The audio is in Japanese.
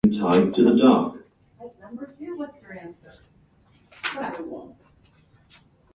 この「信楽」には、京大の文科や理科の教授がよく出入りしておりました